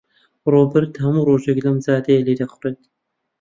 ڕۆبەرت هەموو ڕۆژێک لەم جادەیە لێدەخوڕێت.